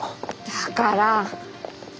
だから！